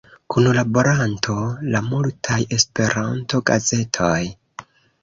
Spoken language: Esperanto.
Kunlaboranto de multaj Esperanto-gazetoj.